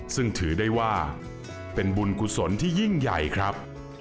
ซึ่งถือได้ว่าเป็นบุญกุศลที่ยิ่งใหญ่ครับ